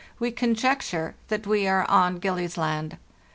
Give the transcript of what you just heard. We conjecture that we are on Gillies Land.